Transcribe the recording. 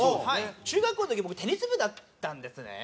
中学校の時僕テニス部だったんですね。